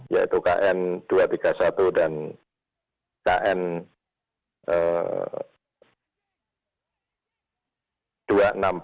yaitu kn dua ratus tiga puluh satu dan kn